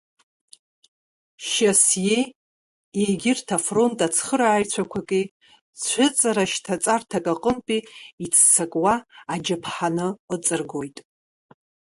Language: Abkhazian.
Шьасиеи егьырҭ афронт ацхырааҩцәақәаки цәыҵара шьҭаҵарҭак аҟынтәи иццакуа аџьаԥҳаны ыҵыргоит.